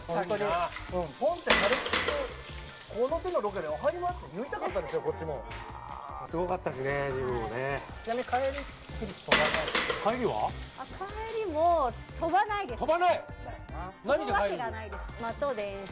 ポンと軽くこの手のロケでぽんと入りますって言いたかったですよ。